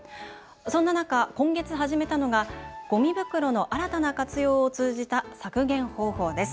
そんな中、今月始めたのがごみ袋の新たな活用を通じた削減方法です。